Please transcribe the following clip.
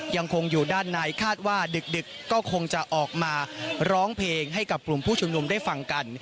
ยังคงอยู่ด้านในคาดว่าดึกก็คงจะออกมาร้องเพลงให้กับกลุ่มผู้ชุมนุมได้ฟังกัน